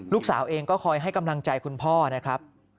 ลูกสาวเองก็คอยให้กำลังใจคุณพ่อนะครับ